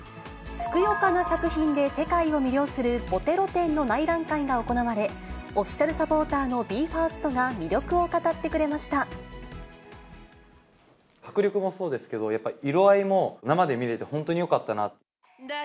ふくよかな作品で世界を魅了するボテロ展の内覧会が行われ、オフィシャルサポーターのＢＥ：ＦＩＲＳＴが、魅力を語ってくれ迫力もそうですけど、やっぱ色合いも生で見れて、本当によかったな。